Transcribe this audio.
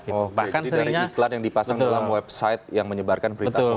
oh berarti dari iklan yang dipasang dalam website yang menyebarkan berita hoax